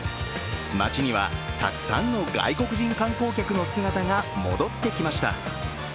街にはたくさんの外国人観光客の姿が戻ってきました。